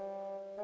kena tidur ya